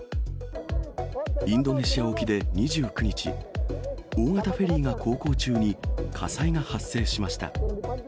インドネシア沖で２９日、大型フェリーが航行中に火災が発生しました。